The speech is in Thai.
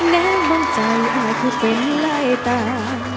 แม้บางใจอายุคือเป็นไล่ตา